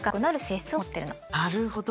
なるほどね。